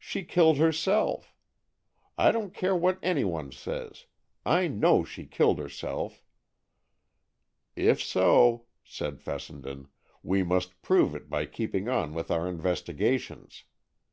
She killed herself! I don't care what any one says—I know she killed herself!" "If so," said Fessenden, "we must prove it by keeping on with our investigations.